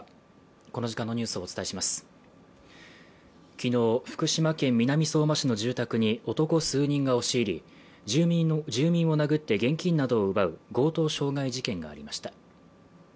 きのう、福島県南相馬市の住宅に男数人が押し入り、住民を殴って現金などを奪う強盗傷害事件がありました。